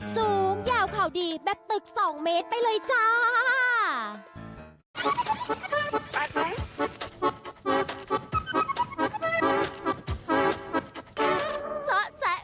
สูงยาวข่าวดีแบบตึก๒เมตรไปเลยจ้า